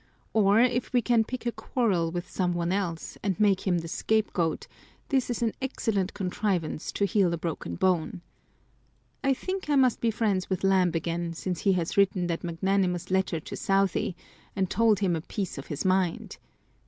Or if we can pick a quarrel with some one else, and make him the scapegoat, this is an excellent contrivance to heal a broken bone. I think I must be friends with Lamb again, since he has written that magnanimous Letter to Southey, and told him a piece of his mind